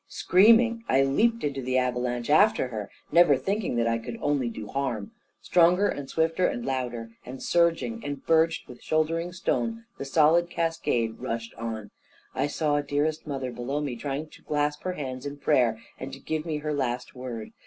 Screaming, I leaped into the avalanche after her, never thinking that I could only do harm. Stronger, and swifter, and louder, and surging, and berged with shouldering stone the solid cascade rushed on. I saw dearest mother below me trying to clasp her hands in prayer, and to give me her last word.